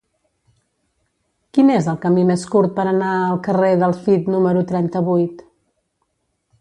Quin és el camí més curt per anar al carrer del Cid número trenta-vuit?